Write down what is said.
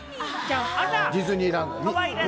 ディズニーランドの。